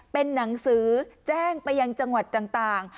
เป็นหนังสือแจ้งไปยังจังหวัดต่าง